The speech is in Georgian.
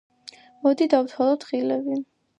მოდი დავთვალოთ ღილები.